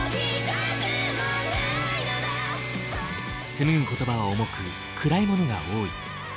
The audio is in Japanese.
紡ぐ言葉は重く暗いものが多い。